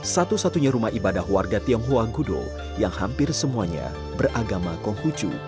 satu satunya rumah ibadah warga tionghoa gudo yang hampir semuanya beragama konghucu